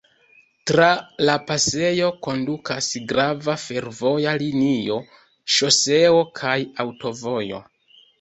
Tra la pasejo kondukas grava fervoja linio, ŝoseo kaj aŭtovojo.